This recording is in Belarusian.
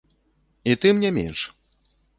І тым не менш.